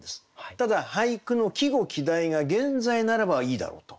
ただ俳句の季語季題が現在ならばいいだろうと。